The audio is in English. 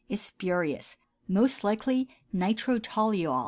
is spurious, most likely nitrotoluol.